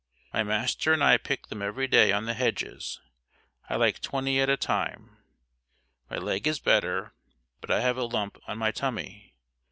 My master and I pick them every day on the hedges. I like twenty at a time. My leg is better but I have a lump on my tummy.